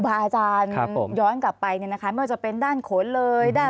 อาจารย์ย้อนกลับไปเนี่ยนะคะไม่ว่าจะเป็นด้านโขนเลยด้าน